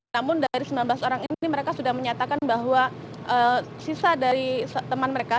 namun dari sembilan belas orang ini mereka sudah menyatakan bahwa sisa dari teman mereka